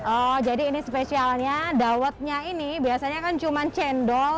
oh jadi ini spesialnya dawetnya ini biasanya kan cuma cendol